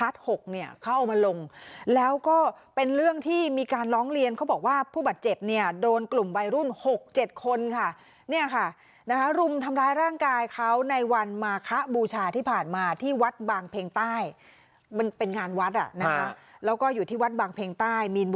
เสื้อข่าวคนนี้ค่ะ